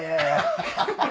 ハハハハ！